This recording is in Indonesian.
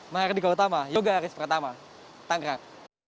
mahardika utama yoga aris pertama tanggak